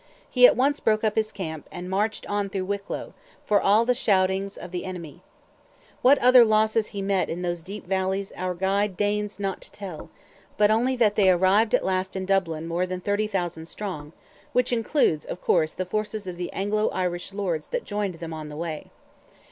He at once broke up his camp, and marched on through Wicklow, "for all the shoutings of the enemie." What other losses he met in those deep valleys our guide deigns not to tell, but only that they arrived at last in Dublin "more than 30,000" strong, which includes, of course, the forces of the Anglo Irish lords that joined them on the way.